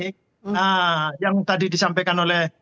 nah yang tadi disampaikan oleh